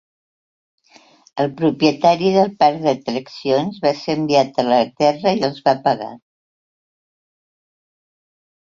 El propietari del parc d'atraccions va ser enviat a la Terra i els va apagar.